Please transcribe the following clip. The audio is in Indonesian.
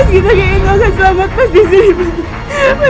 mas kita gak akan selamat mas disini mas